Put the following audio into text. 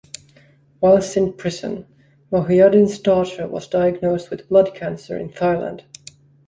Whilst in prison, Mohiuddin's daughter was diagnosed with blood cancer in Thailand.